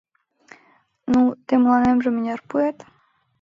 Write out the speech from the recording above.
Ну, тый мыланемже мыняр пуэт?